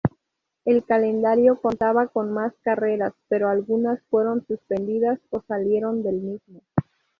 El calendario contaba con más carreras pero algunas fueron suspendidas o salieron del mismo.